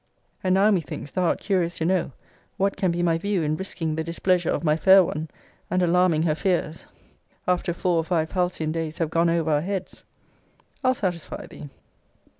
And now, methinks, thou art curious to know, what can be my view in risquing the displeasure of my fair one, and alarming her fears, after four or five halcyon days have gone over our heads? I'll satisfy thee.